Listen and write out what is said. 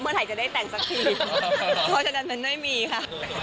มีชอบแบบว่าการจะขอแต่งงานไม่มีค่ะ